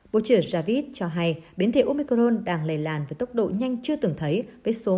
bộ trưởng javid cho hay biến thể omicron đang lây lan với tốc độ nhanh chưa từng thấy với số